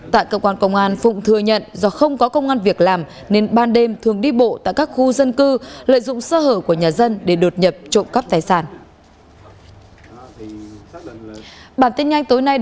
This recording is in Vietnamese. tại cơ quan công an phụng thừa nhận do không có công an việc làm nên ban đêm thường đi bộ tại các khu dân cư lợi dụng sơ hở của nhà dân để đột nhập trộm cắp tài sản